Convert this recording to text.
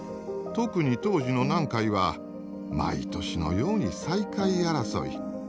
特に当時の南海は毎年のように最下位争い。